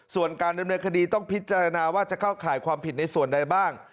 ส่วนการดำเนินคดีต้องพิจารณาว่าจะเข้าข่ายความผิดในส่วนใดบ้าง